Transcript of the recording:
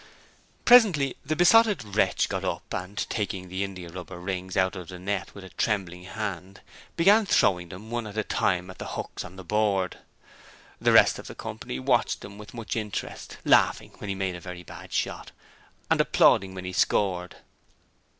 Presently the Besotted Wretch got up and, taking the india rubber rings out of the net with a trembling hand, began throwing them one at a time at the hooks on the board. The rest of the company watched him with much interest, laughing when he made a very bad shot and applauding when he scored.